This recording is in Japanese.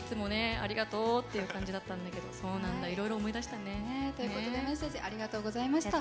ありがとうっていう感じだったんだけどそうなんだいろいろ思い出したね。ということでメッセージありがとうございました。